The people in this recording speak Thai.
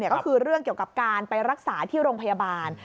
ก็คือเรื่องเกี่ยวกับการไปรักษาที่โรงพยาบาล